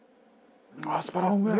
アスパラうめえ！